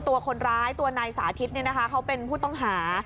ตัวคนร้ายตัวนายสาธิตเขาเป็นผู้ต้องหา